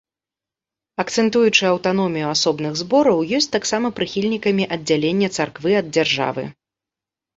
Акцэнтуючы аўтаномію асобных збораў, ёсць таксама прыхільнікамі аддзялення царквы ад дзяржавы.